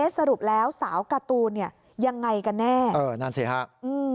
สรุปแล้วสาวกาตูนยังไงกันแน่ะนั่นสิครับ